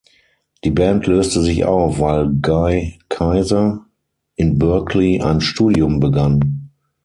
Die Band löste sich auf, weil Guy Kyser in Berkeley ein Studium begann.